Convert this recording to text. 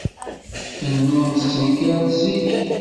Tennum tettenkar-d zik.